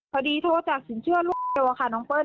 พอดีโทรจากสินเชื่อร่วมเร็วค่ะน้องเปิ้ล